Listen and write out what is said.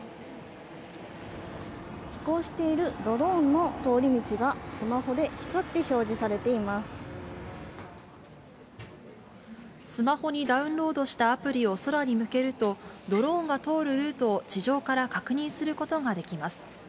飛行しているドローンの通り道が、スマホにダウンロードしたアプリを空に向けると、ドローンが通るルートを地上から確認することができます。